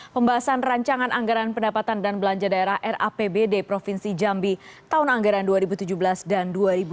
pembahasan rancangan anggaran pendapatan dan belanja daerah rapbd provinsi jambi tahun anggaran dua ribu tujuh belas dan dua ribu delapan belas